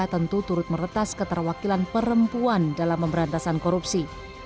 tentu turut meretas keterwakilan perempuan dalam pemberantasan korupsi